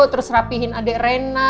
terus rapihin adek rena